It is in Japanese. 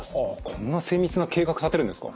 こんな精密な計画立てるんですか。